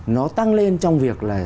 nó tăng lên trong việc là